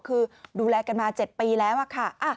คือดูแลกันมา๗ปีแล้วค่ะ